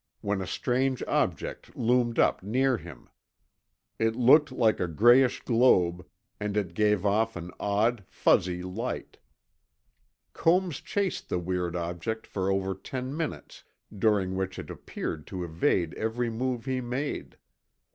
when a strange object loomed up near him. It looked like a grayish globe, and it gave off an odd, fuzzy light. Combs chased the weird object for over ten minutes, during which it appeared to evade every move he made.